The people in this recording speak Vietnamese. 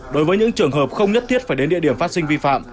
đối với những trường hợp không nhất thiết phải đến địa điểm phát sinh vi phạm